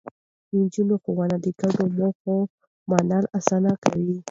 د نجونو ښوونه د ګډو موخو منل اسانه کوي.